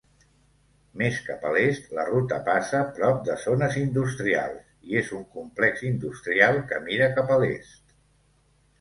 Més cap a l"est, la ruta passa prop de zones industrials i és un complex industrial, que mira cap a l"est.